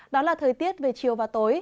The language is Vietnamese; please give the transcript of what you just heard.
đó là thời tiết về chiều và tối